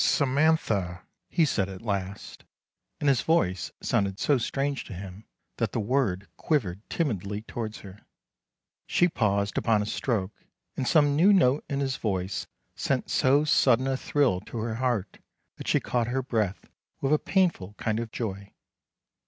" Samantha," he said at last, and his voice sounded so strange to him that the word quivered timidly towards her. THE FORGE IN THE VALLEY 353 She paused upon a stroke, and some new note in his voice sent so sudden a thrill to her heart that she caught her breath with a painful kind of joy.